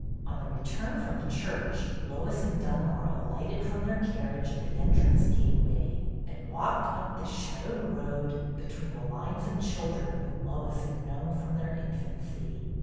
On the return from the church Lois and Dunmore alighted from their carriage at the entrance gateway, and walked up the shad owed road, between the lines of children LOIS'S WEDDING 301 whom Lois had known from their infancy.